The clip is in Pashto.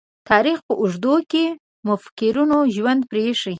تاریخ په اوږدو کې مُفکرینو ژوند پريښی.